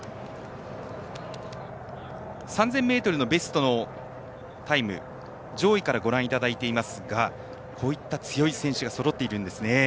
３０００ｍのベストタイムを上位からご覧いただいていますがこういった強い選手がそろっているんですね。